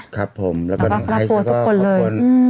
ครับผมแล้วก็กระทั่งขอทุกคนเลย